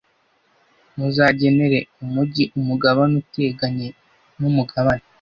Muzagenere umugi umugabane uteganye n umugabane